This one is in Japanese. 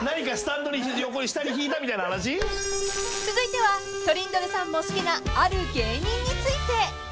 ［続いてはトリンドルさんも好きなある芸人について］